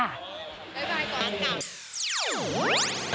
บ๊ายบายค่ะ